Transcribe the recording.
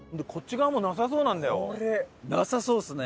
なさそうですね。